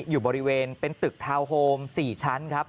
อยู่บริเวณเป็นตึกทาวน์โฮม๔ชั้นครับ